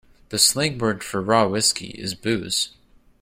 The slang word for raw whiskey is booze.